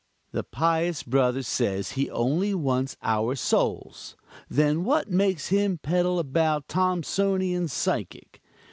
"The pious brother says he only wants our souls then what makes him peddle about Thomsonian physic?